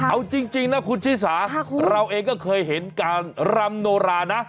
เอาจริงนะคุณชิสาเราเองก็เคยเห็นการรำโนรานะ